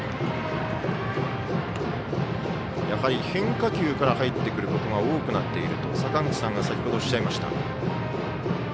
変化球から入ってくることが多くなっていると坂口さんが先ほどおっしゃいました。